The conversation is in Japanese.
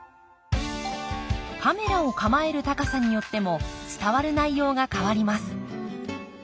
カメラを構える高さによっても伝わる内容が変わります。